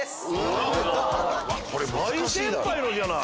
大先輩のじゃない！